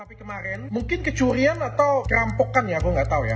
tapi kemarin mungkin kecurian atau perampokan ya aku nggak tahu ya